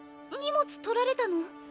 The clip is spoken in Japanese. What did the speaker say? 荷物取られたの？